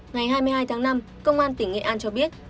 ngày hai mươi hai tháng năm công an tỉnh nghệ an cho biết